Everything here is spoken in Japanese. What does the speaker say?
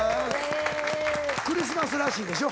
クリスマスらしいでしょ。